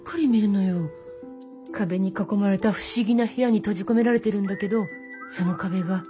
壁に囲まれた不思議な部屋に閉じ込められてるんだけどその壁が。